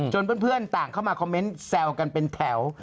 เพื่อนต่างเข้ามาคอมเมนต์แซวกันเป็นแถว